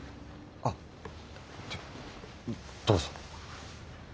あっどどうぞ。